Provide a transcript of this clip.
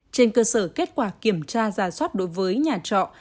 trên cơ sở kết quả kiểm tra giả soát đối với nhà trọ